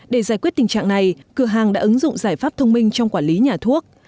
để giải quyết tình trạng này cửa hàng đã ứng dụng giải pháp thông minh trong quản lý nhà thuốc